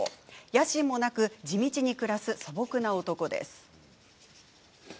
野心もなく地道に暮らす素朴な男です。